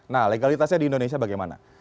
nah legalitasnya di indonesia bagaimana